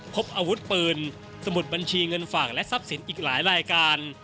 พบอาวุธปืนสมุดบัญชีเงินฝากและทรัพย์สินอีกหลายรายการ